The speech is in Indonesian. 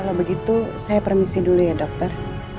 kalau begitu saya permisi dulu ya dokter